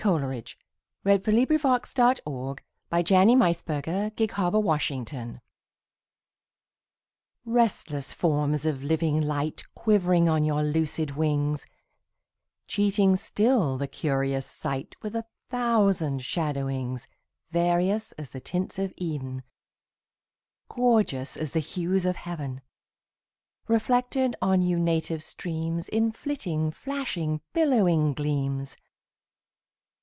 K L . M N . O P . Q R . S T . U V . W X . Y Z Address to Certain Golfishes RESTLESS forms of living light Quivering on your lucid wings, Cheating still the curious sight With a thousand shadowings; Various as the tints of even, Gorgeous as the hues of heaven, Reflected on you native streams In flitting, flashing, billowy gleams!